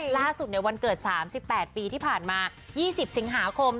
ล่าสุดในวันเกิด๓๘ปีที่ผ่านมา๒๐สิงหาคม